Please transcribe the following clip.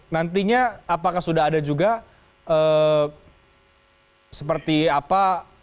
nantinya apakah sudah ada juga seperti apa